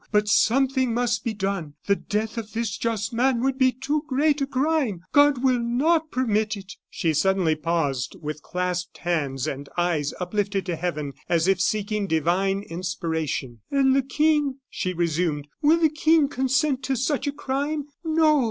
But something must be done. The death of this just man would be too great a crime. God will not permit it." She suddenly paused, with clasped hands, and eyes uplifted to heaven, as if seeking divine inspiration. "And the King," she resumed; "will the King consent to such a crime? No.